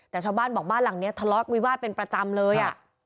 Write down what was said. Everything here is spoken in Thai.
แต่ชาวบ้านบอกบ้านหลังนี้ทะเลาะวิวาสเป็นประจำเลย